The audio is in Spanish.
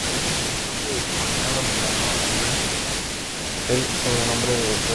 Este episodio de su reinado le ganó al rey el sobrenombre del Rey Bomba.